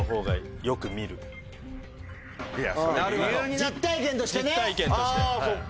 実体験としてね。